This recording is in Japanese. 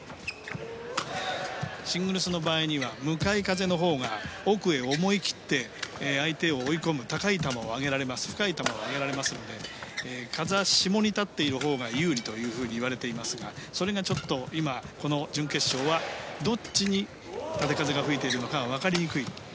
シングルスの場合には向かい風のほうが奥へ思い切って相手を追い込む高い球、深い球を上げられますので風下に立っているほうが有利と言われていますがそれがちょっと今この準決勝はどっちに縦風が吹いているのかは分かりにくい。